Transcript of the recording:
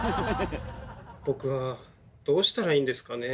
僕はどうしたらいいんですかね。